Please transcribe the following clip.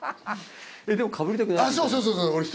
でもかぶりたくないって。